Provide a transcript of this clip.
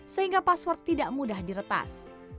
sehingga password tidak mudah diretas